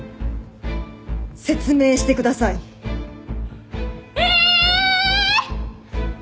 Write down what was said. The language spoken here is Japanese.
説明してください！ええーっ！？